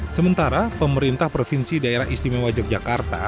sementara pemerintah provinsi daerah istimewa yogyakarta